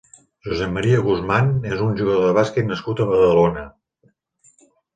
Josep Maria Guzmán és un jugador de bàsquet nascut a Badalona.